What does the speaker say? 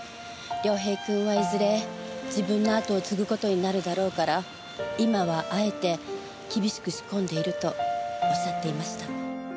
涼平くんはいずれ自分の後を継ぐ事になるだろうから今はあえて厳しく仕込んでいるとおっしゃっていました。